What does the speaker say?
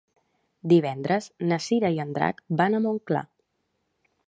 Divendres na Cira i en Drac van a Montclar.